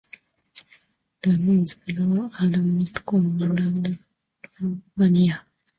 The rules below are the most common around Romania.